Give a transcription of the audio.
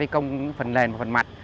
đi công phần lền và phần mặt